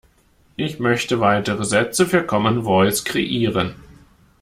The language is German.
Ich möchte weitere Sätze für Commen Voice kreieren.